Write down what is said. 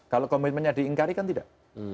kalau komitmennya diingkarikan tidak